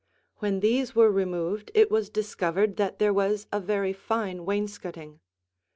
When these were removed, it was discovered that there was a very fine wainscoting.